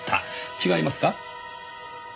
違いますか？